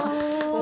お！